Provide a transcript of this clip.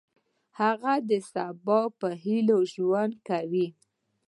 هغه د سبا په هیله ژوند کاوه.